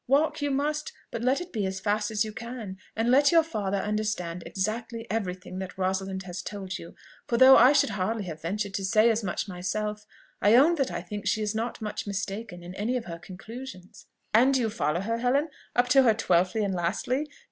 Walk you must, but let it be as fast as you can, and let your father understand exactly every thing that Rosalind has told you; for though I should hardly have ventured to say as much myself, I own that I think she is not much mistaken in any of her conclusions." "And do you follow her, Helen, up to her twelfthly and lastly?